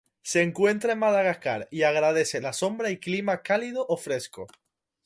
Se encuentra en Madagascar y agradece la sombra y clima cálido o fresco.